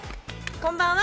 こんばんは。